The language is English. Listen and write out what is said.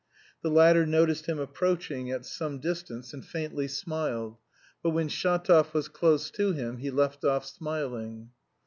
The latter noticed him approaching at some distance, and faintly smiled, but when Shatov was close to him he left off smiling.